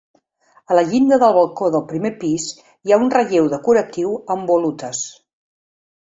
A la llinda del balcó del primer pis hi ha un relleu decoratiu amb volutes.